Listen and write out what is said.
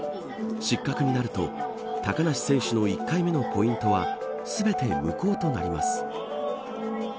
失格になると高梨選手の１回目のポイントは全て無効となります。